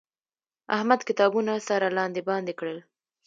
احمد کتابونه سره لاندې باندې کړل.